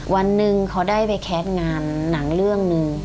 วันหนึ่งเขาได้ไปแคสต์งานหนังเรื่องหนึ่ง